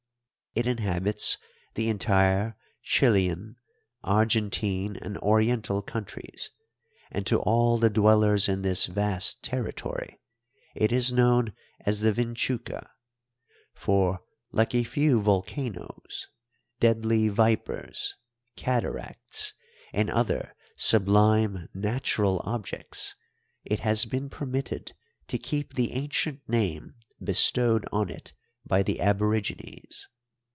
It inhabits the entire Chilian, Argentine, and Oriental countries, and to all the dwellers in this vast territory it is known as the vinchuca; for, like a few volcanoes, deadly vipers, cataracts, and other sublime natural objects, it has been permitted to keep the ancient name bestowed on it by the aborigines.